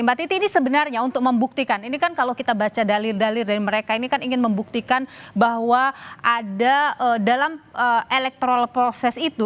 mbak titi ini sebenarnya untuk membuktikan ini kan kalau kita baca dalil dalil dari mereka ini kan ingin membuktikan bahwa ada dalam electoral proses itu